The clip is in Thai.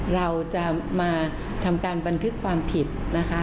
เราจะมาทำการบันทึกความผิดนะคะ